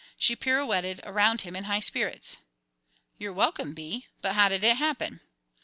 She pirouetted around him in high spirits. "You're welcome, Bee; but how did it happen?"